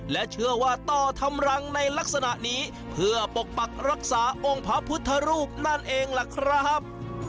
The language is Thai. และเชื่อว่าต่อทำรังในลักษณะนี้เพื่อปกปักรักษาองค์พระพุทธรูปนั่นเองล่ะครับ